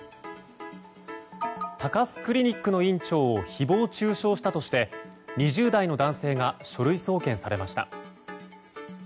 高須クリニックの院長を誹謗中傷したとして２０代の男性が書類送検されました。